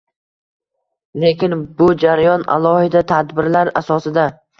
Lekin, bu jarayon alohida tartiblar asosida